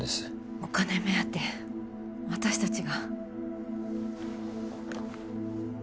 お金目当て私たちが？